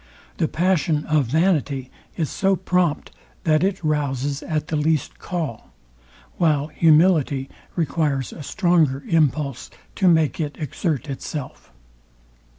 The passion of vanity is so prompt, that it rouzes at the least call; while humility requires a stronger impulse to make it exert itself.